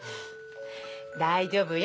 大丈夫よ。